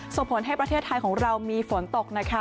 ส่งผลให้ประเทศไทยของเรามีฝนตกนะคะ